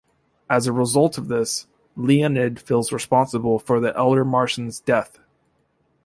As a result of this, Leonid feels responsible for the elder Martian's death.